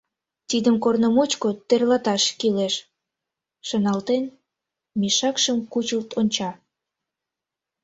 «Тидым корно мучко тӧрлаташ кӱлеш», — шоналтен, мешакшым кучылт онча.